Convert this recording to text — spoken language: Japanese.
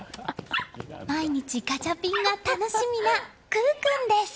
毎日ガチャピンが楽しみなクゥ君です。